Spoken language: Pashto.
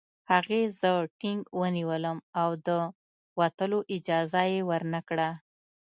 هغې زه ټینګ ونیولم او د وتلو اجازه یې ورنکړه